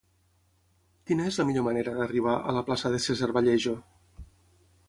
Quina és la millor manera d'arribar a la plaça de César Vallejo?